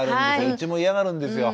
うちも嫌がるんですよ。